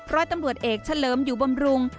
ร้อยตำรวจเอกเฉลิมอยู่บำรุง